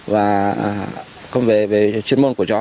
và không về chuyên môn của chó